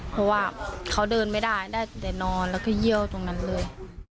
เพราะว่าเขาเดินไม่ได้ได้แต่นอนแล้วก็เยี่ยวตรงนั้นเลย